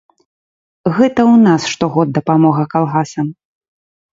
Гэта ў нас штогод дапамога калгасам.